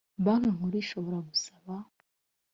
banki nkuru ishobora gusaba